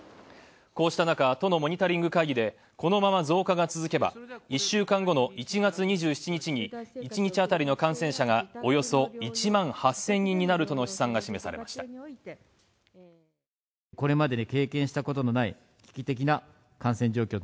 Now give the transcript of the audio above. こうした中、都のモニタリング会議でこのまま増加が続けば、１週間後の１月２７日に１日当たりの感染者がおよそ１万８０００人になるとの試算が示されました。